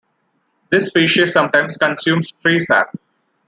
This species sometimes consumes tree sap.